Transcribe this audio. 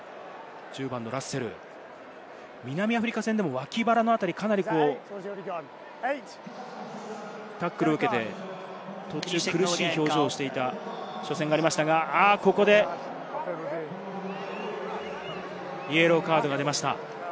南アフリカ戦でも脇腹のあたり、かなりタックルを受けて途中、苦しい表情をしていた初戦がありましたが、ここでイエローカードが出ました。